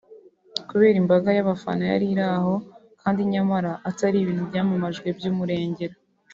kubera imbaga y’abafana yari iraho kandi nyamara atari ibintu byamamajwe by’umurengera